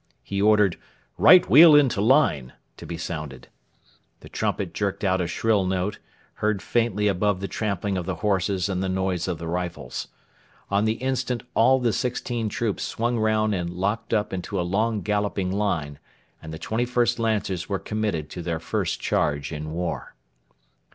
He ordered, 'Right wheel into line' to be sounded. The trumpet jerked out a shrill note, heard faintly above the trampling of the horses and the noise of the rifles. On the instant all the sixteen troops swung round and locked up into a long galloping line, and the 21st Lancers were committed to their first charge in war.